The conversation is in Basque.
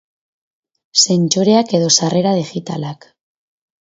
Sentsoreak edo sarrera digitalak.